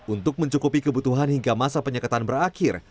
untuk mencukupi kebutuhan hingga masa penyekatan berakhir